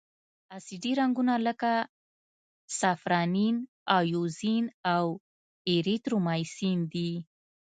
اسیدي رنګونه لکه سافرانین، ائوزین او ایریترومایسین دي.